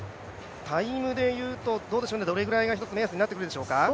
タイムでいうと、どれぐらいが一つ目安になってきますか？